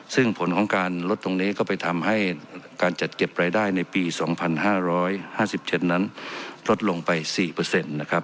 ซึ่งผลของการลดตรงนี้ก็ไปทำให้การจัดเก็บรายได้ในปี๒๕๕๗นั้นลดลงไป๔นะครับ